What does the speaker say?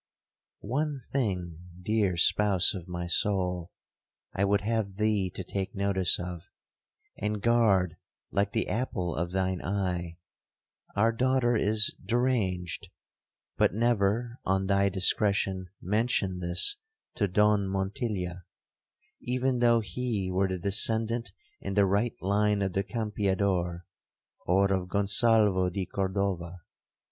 'One thing, dear spouse of my soul, I would have thee to take notice of, and guard like the apple of thine eye,—our daughter is deranged, but never, on thy discretion, mention this to Don Montilla, even though he were the descendant in the right line of the Campeador, or of Gonsalvo di Cordova.